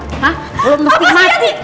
hah lo mesti mati